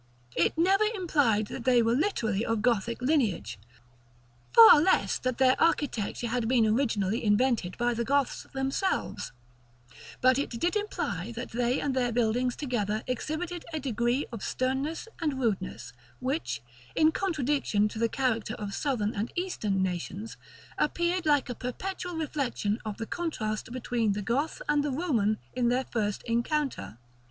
It never implied that they were literally of Gothic lineage, far less that their architecture had been originally invented by the Goths themselves; but it did imply that they and their buildings together exhibited a degree of sternness and rudeness, which, in contradistinction to the character of Southern and Eastern nations, appeared like a perpetual reflection of the contrast between the Goth and the Roman in their first encounter.